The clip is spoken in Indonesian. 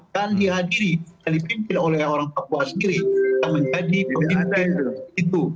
dan dihadiri dipimpin oleh orang papua sendiri menjadi pemimpin itu